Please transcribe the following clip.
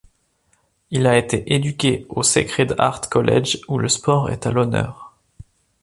Il a été éduqué au Sacred Heart College où le sport est à l'honneur.